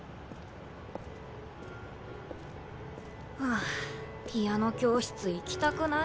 あピアノ教室行きたくないよ。